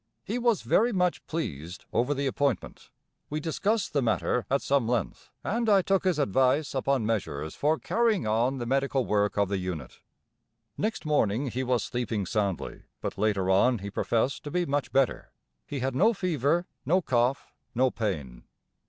He was very much pleased over the appointment. We discussed the matter at some length, and I took his advice upon measures for carrying on the medical work of the unit." Next morning he was sleeping soundly, but later on he professed to be much better. He had no fever, no cough, no pain.